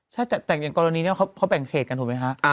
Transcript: ใช่แต่อย่างกรณีนี้เขาแบ่งเขตกันถูกไหมคะ